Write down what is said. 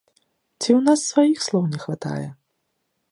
Ці ў нас сваіх слоў не хватае?